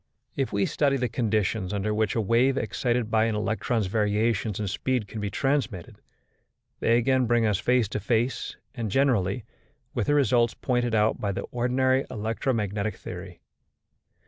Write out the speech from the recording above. If we study the conditions under which a wave excited by an electron's variations in speed can be transmitted, they again bring us face to face, and generally, with the results pointed out by the ordinary electromagnetic theory.